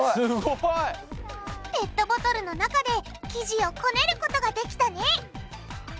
ペットボトルの中で生地をこねることができたね！